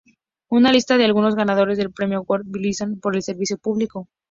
Una lista de algunos ganadores del Premio Woodrow Wilson por el Servicio Público.